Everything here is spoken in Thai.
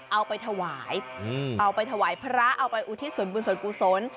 เอาไปถวายเอาไปถวายพระเอาไปอุทิศส่วนบุญส่วนกุศล